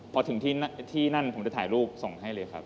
พอถึงที่นั่นผมจะถ่ายรูปส่งให้เลยครับ